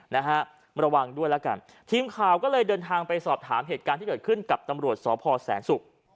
นะฮะมาระวังด้วยแล้วกันทีมข่าวก็เลยเดินทางไปสอบถามเหตุการณ์ที่เกิดขึ้นกับตำรวจสพแสนศุกร์